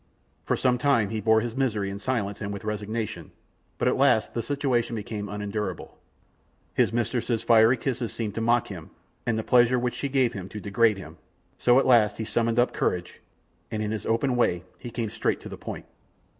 For some time he bore his misery in silence and with resignation, but at last the situation became unendurable; his mistress's fiery kisses seemed to mock him, and the pleasure which she gave him to degrade him, so at last he summoned up courage, and in his open way, he came straight to the point.